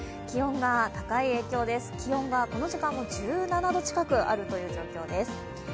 気温が高い影響です、気温がこの時間も１７度近くあるという状況です。